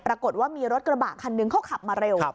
ปรากฏว่ามีรถกระบะคันนึงเขาขับมาเร็ว